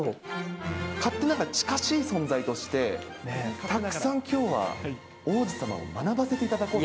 勝手ながら近しい存在として、たくさんきょうは王子様を学ばせていただこうと。